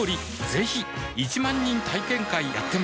ぜひ１万人体験会やってます